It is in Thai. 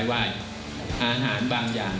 มีความรู้สึกว่ามีความรู้สึกว่า